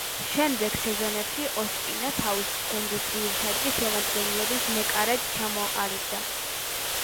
შემდეგ სეზონებში ოსპინა თავისი გუნდის ძირითადი შემადგენლობის მეკარედ ჩამოყალიბდა.